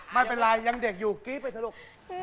ไม่เป็นไรยังเด็กอยู่กรี๊ดไปเถอะลูก